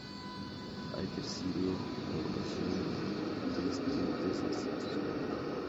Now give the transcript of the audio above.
Ha ejercido la docencia en distintas instituciones.